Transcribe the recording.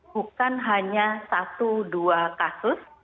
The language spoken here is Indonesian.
bukan hanya satu dua kasus